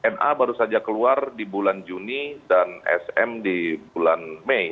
ma baru saja keluar di bulan juni dan sm di bulan mei